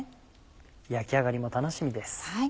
焼き上がりも楽しみです。